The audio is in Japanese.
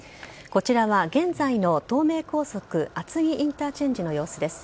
こちらは現在の東名高速厚木インターチェンジの様子です。